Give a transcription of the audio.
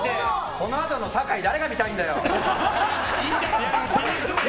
このあとの酒井誰が見たいんだよ。